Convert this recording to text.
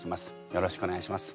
よろしくお願いします。